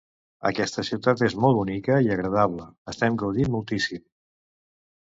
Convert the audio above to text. Aquesta ciutat és molt bonica i agradable, estem gaudint moltíssim!